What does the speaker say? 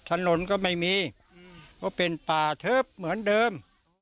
ถนนก็ไม่มีเพราะเป็นป่าทึบเหมือนเดิม